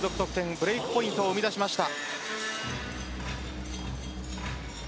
ブレークポイントを生み出しました。